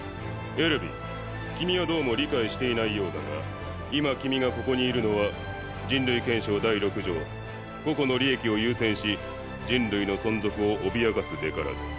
エルヴィン君はどうも理解していないようだが今君がここにいるのは人類憲章第６条「個々の利益を優先し人類の存続を脅かすべからず」